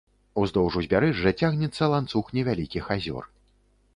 Уздоўж узбярэжжа цягнецца ланцуг невялікіх азёр.